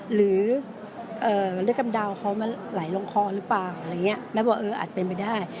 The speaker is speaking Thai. หรือเลือดกำเดาเขามาไหลลงคอหรือเปล่าแม่บอกเอออาจเป็นไปได้